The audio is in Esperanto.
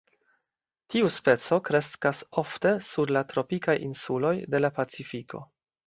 Tiu specio kreskas ofte sur la tropikaj insuloj de la Pacifiko.